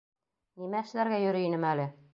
Нимә эшләргә йөрөй инем әле?